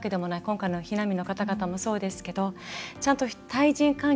今回の避難民の方々もそうですけどちゃんと対人関係が生まれる。